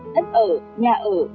đất ở nhà ở